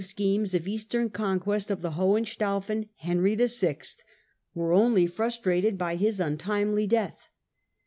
1203 schemes of eastern conquest of the Hohenstaufen Henry VI. were only frustrated by his untimely death (see p.